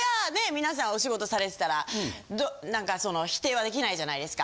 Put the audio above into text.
皆さんお仕事されてたらなんかその否定はできないじゃないですか。